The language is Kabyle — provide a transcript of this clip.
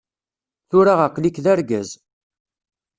Tura aql-ik d argaz.